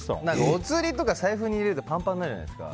おつりとかを財布に入れるとパンパンになるじゃないですか。